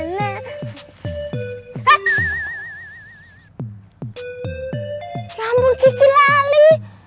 ya ampun kiki lali